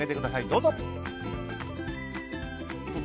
どうぞ。